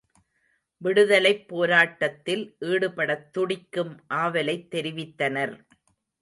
விடுதலைப் போராட்டத்தில் ஈடுபடத் துடிக்கும் ஆவலைத் தெரிவித்தனர்.